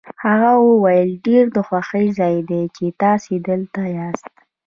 هغه وویل ډېر د خوښۍ ځای دی چې تاسي دلته یاست.